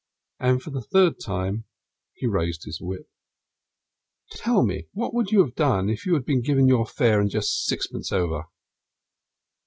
And for the third time he raised his whip. "Tell me what you would have done if you had been given your fare and just sixpence over?"